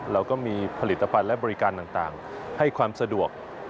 เราก็มีผลิตภัณฑ์และบริการต่างให้ความสะดวก